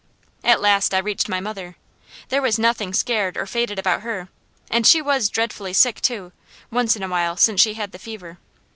At last I reached my mother. There was nothing scared or faded about her, and she was dreadfully sick too, once in a while since she had the fever.